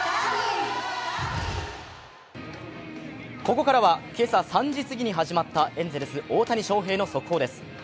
ここからは、今朝３時過ぎに始まったエンゼルス・大谷翔平の速報です。